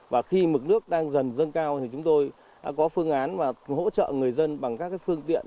và khi mực nước đang dần dâng cao thì chúng tôi đã có phương án và hỗ trợ người dân bằng các phương tiện